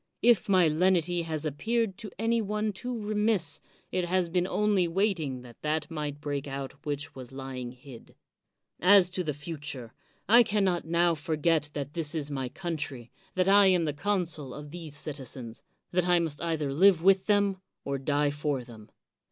If my lenity has appeared to any one too remiss, it has been only waiting that that might break out which was lying hid. As to the future, I can not now forget that this is my country, that I am the con sul of these citizens, that I must either live with them, or die for them.